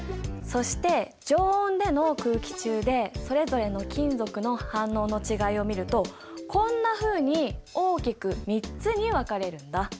そして常温での空気中でそれぞれの金属の反応の違いを見るとこんなふうに大きく３つに分かれるんだ。